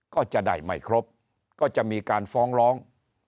ก็จะได้ไม่ครบก็จะมีการฟ้องร้อง